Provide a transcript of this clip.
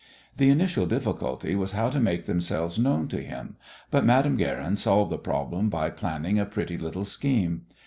The initial difficulty was how to make themselves known to him, but Madame Guerin solved the problem by planning a pretty little scheme.